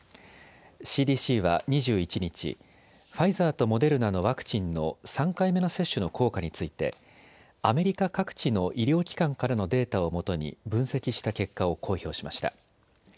ＣＤＣは２１日、ファイザーとモデルナのワクチンの３回目の接種の効果についてアメリカ各地の医療機関からのデータをもとに分析した結果を公表しました。